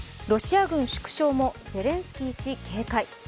ロシア軍縮小もゼレンスキー氏警戒。